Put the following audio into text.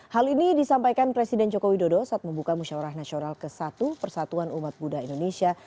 hal ini disampaikan presiden joko widodo saat membuka musyawarah nasional ke satu persatuan umat buddha indonesia